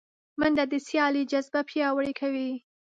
منډه د سیالۍ جذبه پیاوړې کوي